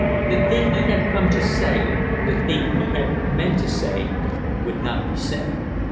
The thing he had come to say the thing he had meant to say would not be said.